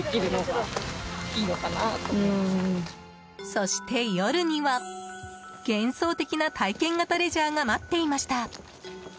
そして夜には、幻想的な体験型レジャーが待っていました。